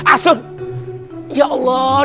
asyut ya allah